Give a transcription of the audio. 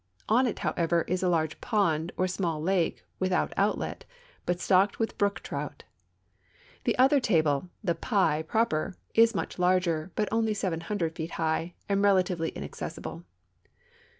On it, however, is a large pond or small lake with out outlet, but stocked with brook trout. The other table, the " pie " proper, is much larger, but only 700 feet high and rela tively accessible.